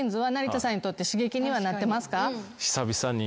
久々に。